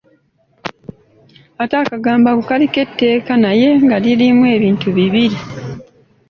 Ate akagambo ako kaliko etteeka naye nga lirimu ebintu bibiri.